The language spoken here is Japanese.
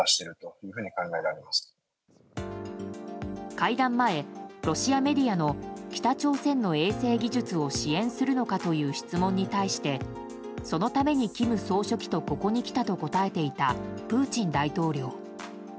会談前、ロシアメディアの北朝鮮の衛星技術を支援するのかという質問に対してそのために金総書記とここに来たと答えていたプーチン大統領。